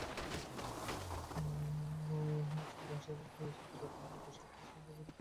এখানে মহাসমারোহে এসে পুরো এক ট্রেন সাক্ষীর সামনে ঘিলু উড়িয়ে দেবে আমার?